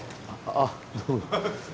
あどうも。